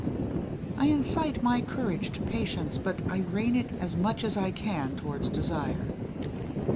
I incite my courage to patience, but I rein it as much as I can towards desire.